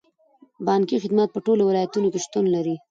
بانکي خدمات په ټولو ولایتونو کې شتون لري.